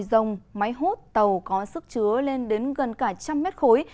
dùng vòi dông máy hốt tàu có sức chứa lên đến gần cả trăm mét khối